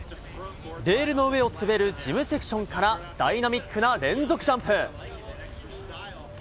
レールの上を滑るジムセクションからダイナミックな連続ジャンプ。